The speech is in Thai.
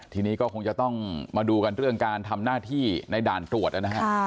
ทีนี้ก็คงจะต้องมาดูกันเรื่องการทำหน้าที่ในด่านตรวจนะฮะ